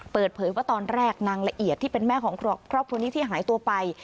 เปิดเผยว่าตอนแรกนางละเอียดที่เป็นแม่ของครอบครัวนี้ที่หายตัวไป